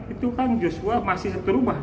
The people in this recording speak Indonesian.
itu kan joshua masih berubah